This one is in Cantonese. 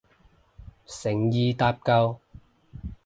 誠意搭救